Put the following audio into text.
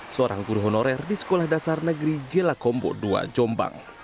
seorang guru honorer di sekolah dasar negeri jelakombo ii jombang